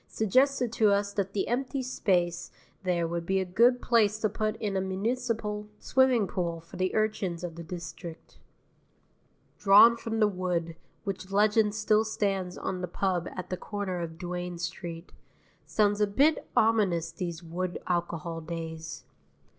suggested to us that the empty space there would be a good place to put in a municipal swimming pool for the urchins of the district. Drawn from the wood, which legend still stands on the pub at the corner of Duane Street, sounds a bit ominous these wood alcohol days.